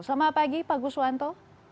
selamat pagi pak guswanto